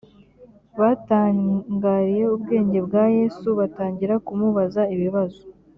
batangariye ubwenge bwa yesu batangira kumubaza ibibazo